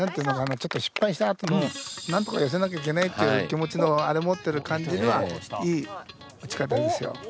ちょっと失敗したあとのなんとか寄せなきゃいけないっていう気持ちのあれ持ってる感じにはいい打ち方ですよ。